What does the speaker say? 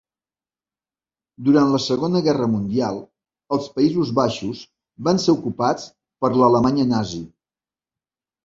Durant la Segona Guerra Mundial, els Països Baixos van ser ocupats per l'Alemanya nazi.